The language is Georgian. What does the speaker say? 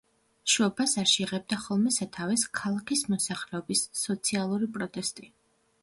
შუა ბაზარში იღებდა ხოლმე სათავეს ქალაქის მოსახლეობის სოციალური პროტესტი.